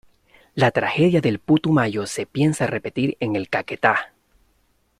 La tragedia del Putumayo se piensa repetir en el Caquetá.